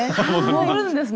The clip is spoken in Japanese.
戻るんですね。